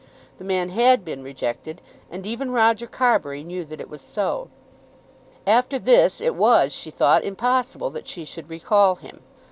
The man had been rejected, and even Roger Carbury knew that it was so. After this it was, she thought, impossible that she should recall him.